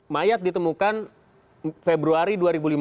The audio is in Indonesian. mayat ditemukan februari dua ribu lima belas